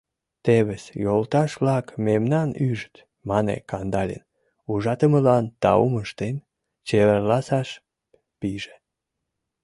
— Тевыс, йолташ-влак, мемнам ӱжыт, — мане Кандалин, ужатымылан таум ыштен, чеверласаш пиже.